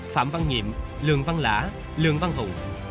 phạm văn nhiệm lường văn lã lường văn hùng